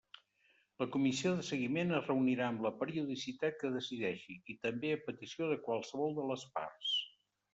La comissió de seguiment es reunirà amb la periodicitat que decideixi i també a petició de qualsevol de les parts.